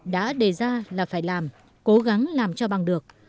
đã đề ra là phải làm cố gắng làm cho bằng được